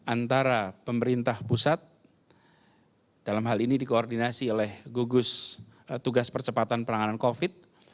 antara pemerintah pusat dalam hal ini dikoordinasi oleh gugus tugas percepatan penanganan covid